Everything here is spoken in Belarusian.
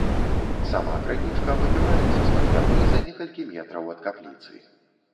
Сама крынічка выбіваецца з-пад вярбы за некалькі метраў ад капліцы.